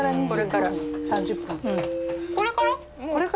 これから３０分？